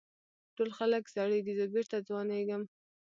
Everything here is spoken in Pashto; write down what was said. ټول خلک زړېږي زه بېرته ځوانېږم.